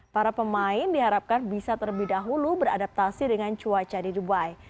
para pemain diharapkan bisa terlebih dahulu beradaptasi dengan cuaca di dubai